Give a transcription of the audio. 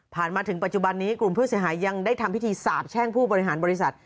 มาถึงปัจจุบันนี้กลุ่มผู้เสียหายยังได้ทำพิธีสาบแช่งผู้บริหารบริษัท